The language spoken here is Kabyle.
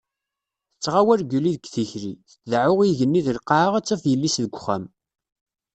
Tettɣawal Guli deg tikli, tdeɛɛu i yigenni d lqaɛa ad taf yelli-s deg uxxam.